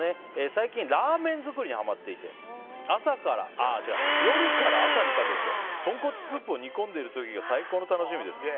最近ラーメン作りにはまっていて夜から朝にかけて豚骨スープを煮込んでいる時が最高の楽しみです。